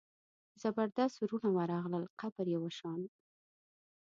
د زبردست وروڼه ورغلل قبر یې وشان.